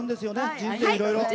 「人生いろいろ」。